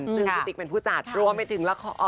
ซึ่งพี่ติ๊กเป็นผู้จัดรวมไปถึงละคร